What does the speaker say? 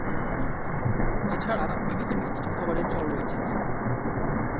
এছাড়া বিবিধ মিষ্টি খাবারের চল রয়েছে।